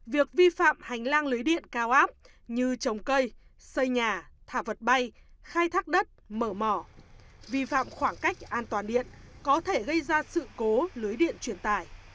việc vi phạm hành lang lưới điện cao áp như trồng cây xây nhà thả vật bay khai thác đất mở mỏ vi phạm khoảng cách an toàn điện có thể gây ra sự cố lưới điện truyền tải